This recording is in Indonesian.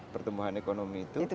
pertumbuhan ekonomi itu